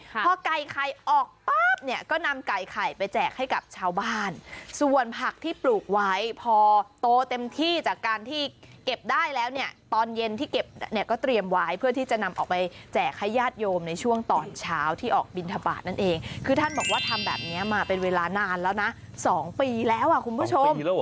พอไก่ไข่ออกปั๊บเนี่ยก็นำไก่ไข่ไปแจกให้กับชาวบ้านส่วนผักที่ปลูกไว้พอโตเต็มที่จากการที่เก็บได้แล้วเนี่ยตอนเย็นที่เก็บเนี่ยก็เตรียมไว้เพื่อที่จะนำออกไปแจกให้ญาติโยมในช่วงตอนเช้าที่ออกบินทบาทนั่นเองคือท่านบอกว่าทำแบบนี้มาเป็นเวลานานแล้วนะสองปีแล้วอ่ะคุณผู้ชม